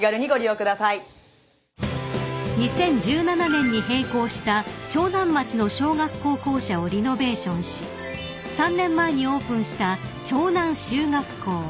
［２０１７年に閉校した長南町の小学校校舎をリノベーションし３年前にオープンした長南集学校］